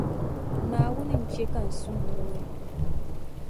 Naawuni n-chɛ ka n suhu ŋooi.